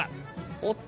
おっと。